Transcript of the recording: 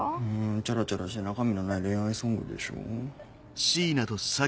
チャラチャラした中身のない恋愛ソングでしょ？